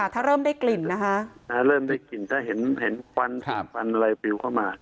ถ้าเริ่มได้กลิ่นรับไหม